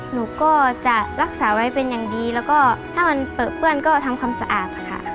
หนูก็จะรักษาไว้เป็นอย่างดีแล้วก็ถ้ามันเปลือเปื้อนก็ทำความสะอาดค่ะ